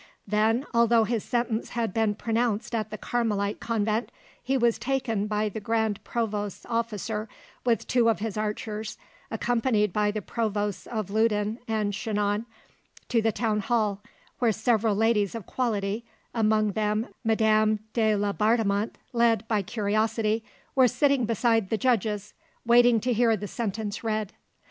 Then, although his sentence had been pronounced at the Carmelite convent, he was taken by the grand provost's officer, with two of his archers, accompanied by the provosts of Loudun and Chinon, to the town hall, where several ladies of quality, among them Madame de Laubardemont, led by curiosity, were sitting beside the judges, waiting to hear the sentence read.